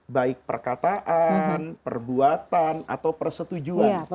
baik perkataan perbuatan atau persetujuan